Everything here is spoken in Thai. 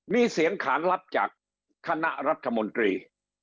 มีเสียงขานรับจากคณะรัฐมนตรี